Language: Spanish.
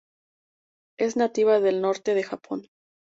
Es nativa del norte de Japón.